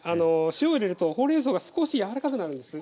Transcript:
塩を入れるとほうれんそうが少し柔らかくなるんです。